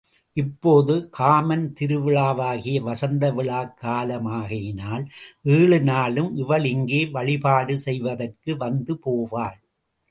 இப்போது காமன் திருவிழாவாகிய வசந்த விழாக் காலமாகையினால் ஏழு நாளும் இவள் இங்கே வழிபாடு செய்வதற்கு வந்து போவாள்.